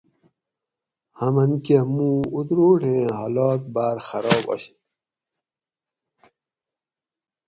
ہمن کٞہ مُوں اتروڑیں حالات باٞر خراب آشیں